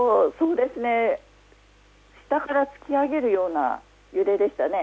下から突き上げるような揺れでしたね。